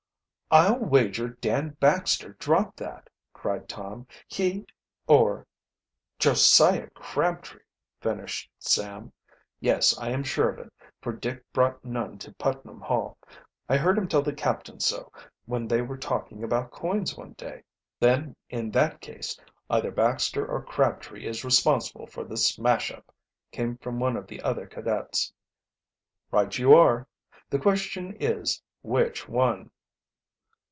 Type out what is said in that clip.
"I'll wager Dan Baxter dropped that!" cried Tom. "He, or " "Josiah Crabtree!" finished Sam. "Yes, I am sure of it, for Dick brought none to Putnam Hall; I heard him tell the Captain so, when they were talking about coins one day." "Then in that case, either Baxter or Crabtree is responsible for this smash up!" came from one of the other cadets. "Right you are. The question is, which one?"